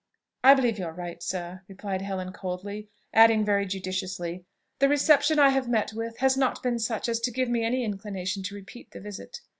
"I believe you are right, sir," replied Helen coldly; adding very judiciously, "The reception I have met with has not been such as to give me any inclination to repeat the visit.